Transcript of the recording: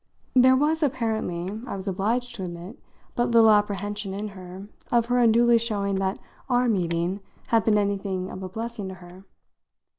There was apparently, I was obliged to admit, but little apprehension in her of her unduly showing that our meeting had been anything of a blessing to her.